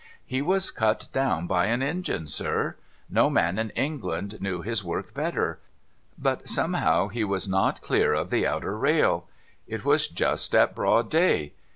' He was cut down by an engine, sir. No man in England knew his work better. But somehow he was not clear of the outer rail. It was just at broad day.